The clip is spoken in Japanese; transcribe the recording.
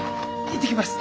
行ってきます。